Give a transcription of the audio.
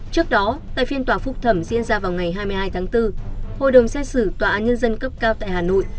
trước đó tại phiên tòa phúc thẩm diễn ra vào ngày hai mươi hai tháng bốn hội đồng xét xử tòa án nhân dân cấp cao tại hà nội